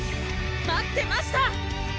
待ってました！